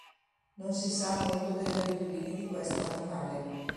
Non si sa molto delle abitudini di questo animale.